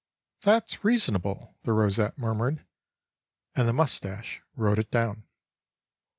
"That's reasonable," the rosette murmured; and the moustache wrote it down.